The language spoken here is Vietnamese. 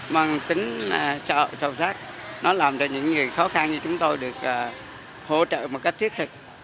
bằng tính sâu sắc nó làm cho những người khó khăn như chúng tôi được hỗ trợ một cách thiết thực